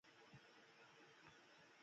مورخ ضیاالدین برني په دې اړه لیکلي دي.